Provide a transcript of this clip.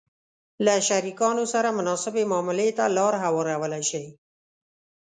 -له شریکانو سره مناسبې معاملې ته لار هوارولای شئ